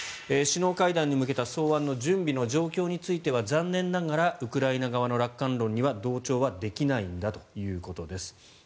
首脳会談に向けた草案の準備の状況については残念ながらウクライナ側の楽観論には同調はできないんだということです。